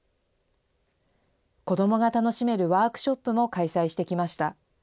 子どもが楽しめるワークショップも開催してきました。